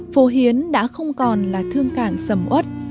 phố hiến đã không còn là thương cảng sầm út